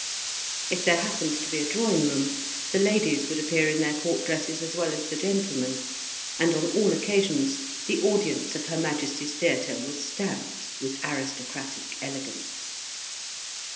If there happened to be a drawing room, the ladies would appear in their court dresses, as well as the gentlemen, and on all occasions the audience of Her Majesty's Theatre was stamped with aristocratic elegance.